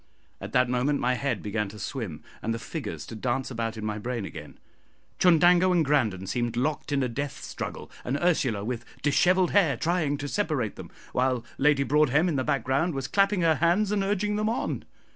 At that moment my head began to swim, and the figures to dance about in my brain again. Chundango and Grandon seemed locked in a death struggle, and Ursula, with dishevelled hair, trying to separate them, while Lady Broadhem, in the background, was clapping her hands and urging them on.